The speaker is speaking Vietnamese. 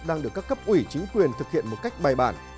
đang được các cấp ủy chính quyền thực hiện một cách bài bản